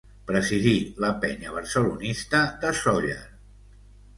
Presidí la Penya Barcelonista de Sóller.